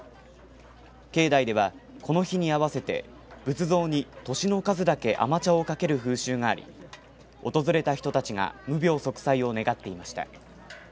境内ではこの日に合わせて仏像に年の数だけ甘茶をかける風習があり訪れた人たちが無病息災を願っていました。